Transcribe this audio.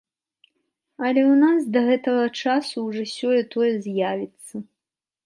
Але і ў нас да гэтага часу ўжо сёе-тое з'явіцца.